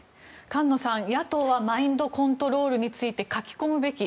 菅野さん、野党はマインドコントロールについて書き込むべき。